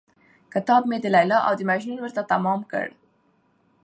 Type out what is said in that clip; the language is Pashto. كتاب مې د ليلا او د مـجنون ورته تمام كړ.